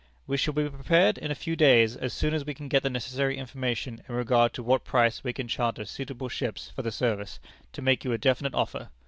"We shall be prepared in a few days, as soon as we can get the necessary information in regard to what price we can charter suitable ships for the service, to make you a definite offer."